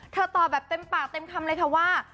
ตอบแบบเต็มปากเต็มคำเลยค่ะว่า